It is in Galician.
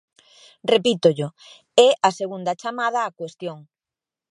Repítollo: é a segunda chamada á cuestión.